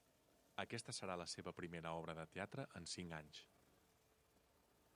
Aquesta serà la seva primera obra de teatre en cinc anys.